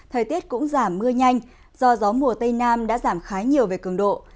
thời tiết cũng giảm mưa nhanh do gió mùa tây nam đã giảm khá nhiều về cường độ